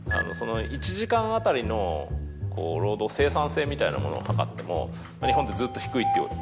１時間当たりの労働生産性みたいなものを測っても日本ってずっと低いって。